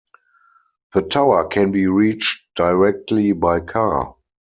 The tower can be reached directly by car.